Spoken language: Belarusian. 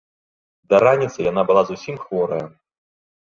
Да раніцы яна была зусім хворая.